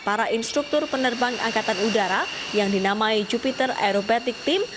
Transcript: para instruktur penerbang angkatan udara yang dinamai jupiter aerobatic team